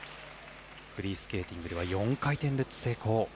フリースケーティングでは４回転ルッツ成功。